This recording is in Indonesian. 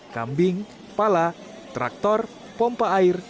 kambing pala traktor pompa air